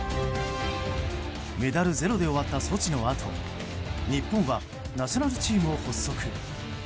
メダルゼロで終わったソチのあと日本はナショナルチームを発足。